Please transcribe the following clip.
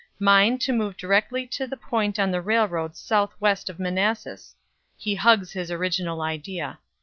mine, to move directly to the point on the railroads southwest of Manassas. (He hugs his original idea.)...